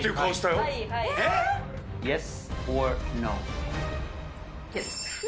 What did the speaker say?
イエス。